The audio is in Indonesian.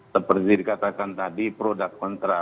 seperti dikatakan tadi pro dan kontra